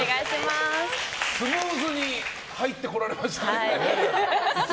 スムーズに入ってこられましたね。